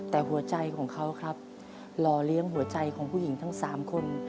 แต่หัวใจของเขาครับรอเลี้ยงหัวใจของผู้หญิงทั้ง๓คน